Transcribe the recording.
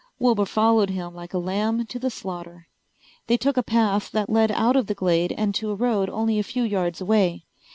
Wilbur followed him like a lamb to the slaughter. They took a path that led out of the glade and to a road only a few yards away.